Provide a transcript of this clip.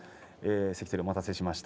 関取、お待たせいたしました。